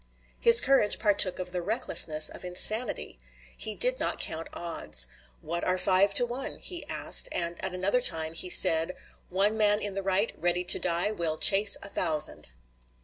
His courage partook of the recklessness of insanity. He did not count odds. "What are five to one?" he asked; and at another time he said, "One man in the right, ready to die, will chase a thousand."